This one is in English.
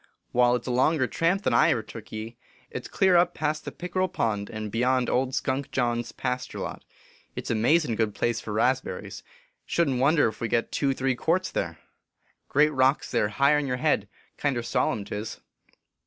" Wai, it s a longer tramp than I ve ever took ye. It s clear up past the pickerel pond, and beyond old Skunk John s pasture lot. It s a mazin good place for raspberries; shouldn t wonder if we should get two, three quarts there. Great rocks there higher n yer head ; kinder solemn, tis."